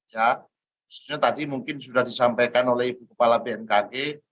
ya khususnya tadi mungkin sudah disampaikan oleh bnkg